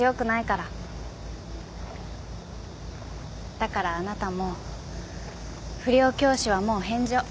だからあなたも不良教師はもう返上。